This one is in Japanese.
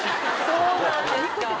そうなんですか。